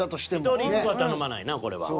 １人１個は頼まないなこれは。